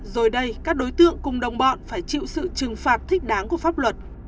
rồi đây các đối tượng cùng đồng bọn phải chịu sự trừng phạt thích đáng của pháp luật